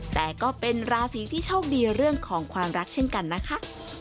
แต่ก็เป็นราศีที่โชคดีเรื่องของความรักเช่นกันนะคะ